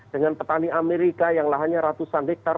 dengan petani amerika yang lahannya ratusan hektar